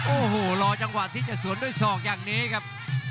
โอ้โหรอจังหวะที่จะสวนด้วยศอกอย่างนี้ครับ